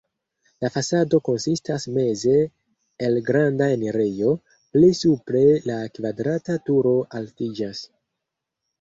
La fasado konsistas meze el granda enirejo, pli supre la kvadrata turo altiĝas.